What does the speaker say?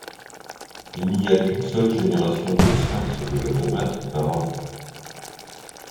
Il n'y a qu'une seule génération de sphinx de la tomate par an.